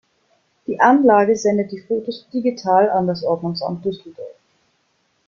Die Anlage sendet die Fotos digital an das Ordnungsamt Düsseldorf.